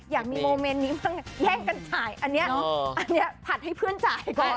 อยากมีโมเมนต์นี้บ้างแย่งกันจ่ายอันนี้อันนี้ผัดให้เพื่อนจ่ายก่อน